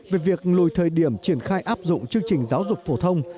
về việc lùi thời điểm triển khai áp dụng chương trình giáo dục phổ thông